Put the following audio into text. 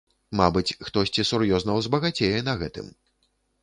Мабыць, хтосьці сур'ёзна ўзбагацее на гэтым.